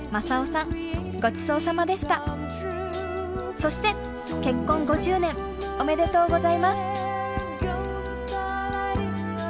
そして結婚５０年おめでとうございます！